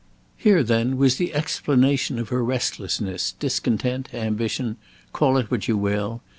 Here, then, was the explanation of her restlessness, discontent, ambition, call it what you will.